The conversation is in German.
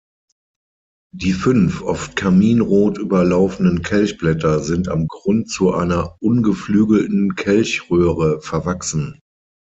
Die fünf oft karminrot überlaufenen Kelchblätter sind am Grund zu einer ungeflügelten Kelchröhre verwachsen.